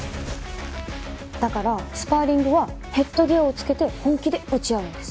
だからスパーリングはヘッドギアを着けて本気で打ち合うんです。